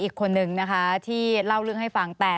คนนี้แน่